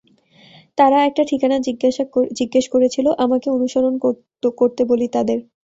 তারা একটা ঠিকানা জিজ্ঞেস করেছিলো, আমাকে অনুসরণ করতে বলি তাদের।